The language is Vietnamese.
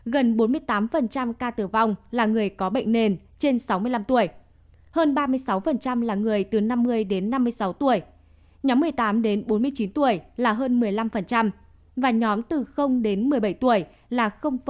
gần bốn mươi tám ca tử vong là người có bệnh nền trên sáu mươi năm tuổi hơn ba mươi sáu là người từ năm mươi đến năm mươi sáu tuổi nhóm một mươi tám đến bốn mươi chín tuổi là hơn một mươi năm và nhóm từ đến một mươi bảy tuổi là bốn